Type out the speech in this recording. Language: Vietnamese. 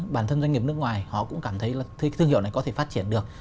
bản thân doanh nghiệp nước ngoài họ cũng cảm thấy thương hiệu này có thể phát triển được